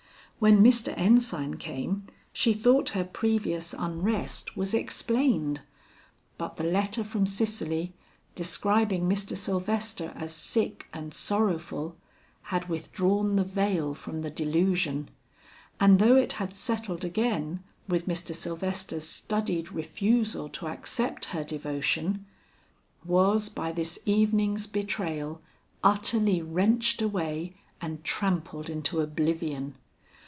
When Mr. Ensign came she thought her previous unrest was explained, but the letter from Cicely describing Mr. Sylvester as sick and sorrowful, had withdrawn the veil from the delusion, and though it had settled again with Mr. Sylvester's studied refusal to accept her devotion, was by this evening's betrayal utterly wrenched away and trampled into oblivion.